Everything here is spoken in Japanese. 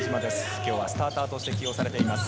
今日はスターターとして起用されています。